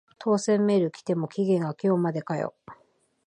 当選メール来ても期限が今日までかよ